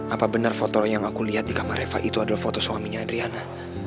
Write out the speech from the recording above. apa bener foto yang aku liat di kamar reva itu adalah foto suaminya adriana